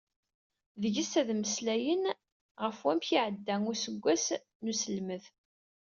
Deg-s ad mmeslayen ɣef wamek i iɛedda useggas n uselmed.